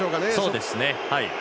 そうですね。